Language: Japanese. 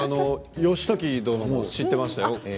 義時殿も知ってましたよ。